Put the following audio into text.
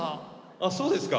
あっそうですか？